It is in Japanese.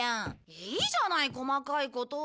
いいじゃない細かいことは。